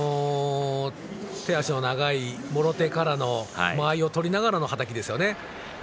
手足の長い、もろ手からの間合いを取りながらのはたきですよね。